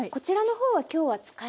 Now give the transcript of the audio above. はい。